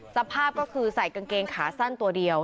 สภาพก็คือใส่กางเกงขาสั้นตัวเดียว